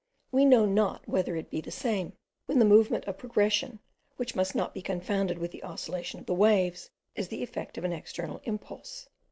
We know not whether it be the same, when the movement of progression, which must not be confounded with the oscillation of the waves, is the effect of an external impulse.